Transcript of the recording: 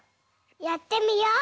やってみよう！